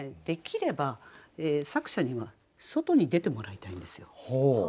できれば作者には外に出てもらいたいんですよ。